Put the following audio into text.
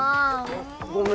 ごめん。